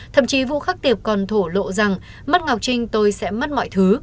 thậm chí vũ khắc tiệp còn thổ lộ rằng mất ngọc trinh tôi sẽ mất mọi thứ